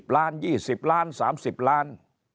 ล้าน๒๐ล้าน๓๐ล้าน